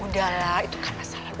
udah lah itu kan masalah